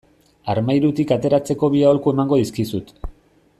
Armairutik ateratzeko bi aholku emango dizkizut.